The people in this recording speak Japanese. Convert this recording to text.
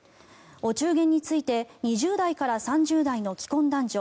お中元について２０代から３０代の既婚男女